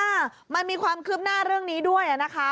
อ่ามันมีความคืบหน้าเรื่องนี้ด้วยนะคะ